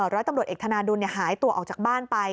ร้อยตำรวจเอกธนาดุลหายตัวออกจากบ้านไป